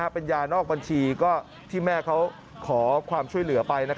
เป็นยานอกบัญชีก็ที่แม่เขาขอความช่วยเหลือไป